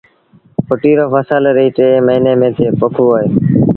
ڦٽيٚ رو ڦسل سآل ري ٽي موهيݩي ميݩ پوکبو اهي